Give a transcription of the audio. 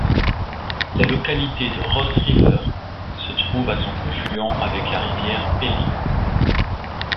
La localité de Ross River se trouve à son confluent avec la Rivière Pelly.